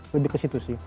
lebih ke situ sih